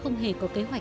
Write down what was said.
một nước vời activities